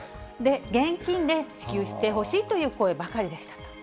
現金で支給してほしいという声ばかりでしたと。